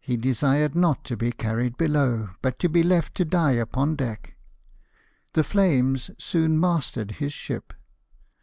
He desired not to be carried below, but to be left to die upon deck. The flames soon mastered his ship.